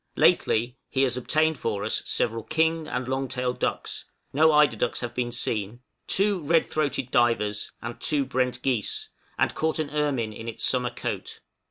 Lately he has obtained for us several king and long tailed ducks (no eider ducks have been seen), two red throated divers, and two brent geese, and caught an ermine in its summer coat.